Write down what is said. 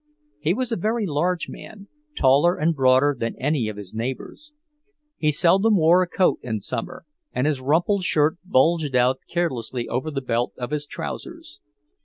He was a very large man, taller and broader than any of his neighbours. He seldom wore a coat in summer, and his rumpled shirt bulged out carelessly over the belt of his trousers.